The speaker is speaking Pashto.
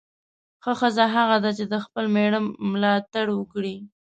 ښه ښځه هغه ده چې د خپل میړه ملاتړ وکړي.